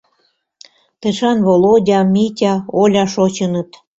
Тышан Володя, Митя, Оля шочыныт.